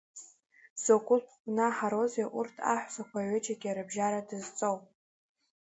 Закәытә гәнаҳароузеи урҭ аҳәсақәа аҩыџьагьы рыбжьара дызҵоу.